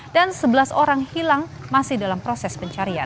dan sebelas orang hilang masih dalam proses pencarian